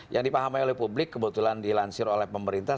yang dipahami oleh publik kebetulan dilansir oleh pemerintah